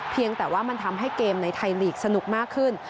เพียงแต่ว่ามันทำให้เกมในไทยลีกสนุกมากขึ้น